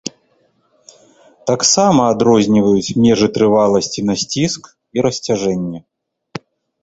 Таксама адрозніваюць межы трываласці на сціск і расцяжэнне.